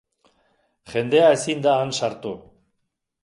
Jendea ezin da han sartu.